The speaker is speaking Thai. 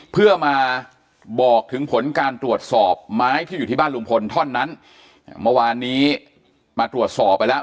เพื่อมาบอกถึงผลการตรวจสอบไม้ที่อยู่ที่บ้านลุงพลท่อนนั้นเมื่อวานนี้มาตรวจสอบไปแล้ว